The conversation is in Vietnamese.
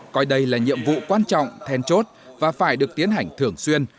coi đây là nhiệm vụ quan trọng then chốt và phải được tiến hành thường xuyên